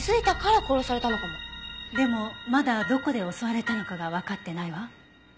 でもまだどこで襲われたのかがわかってないわ。